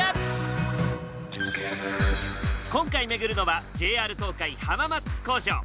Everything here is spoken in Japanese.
今回巡るのはＪＲ東海浜松工場。